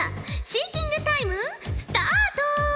シンキングタイムスタート！